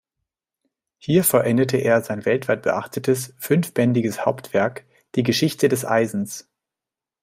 Hier vollendete er sein weltweit beachtetes fünfbändiges Hauptwerk „Die Geschichte des Eisens“.